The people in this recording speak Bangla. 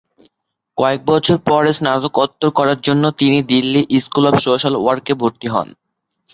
কয়েক বছর পরে, স্নাতকোত্তর করার জন্য তিনি Delhi school of social work এ ভর্তি হন।